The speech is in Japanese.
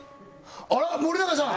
あらっ森永さん！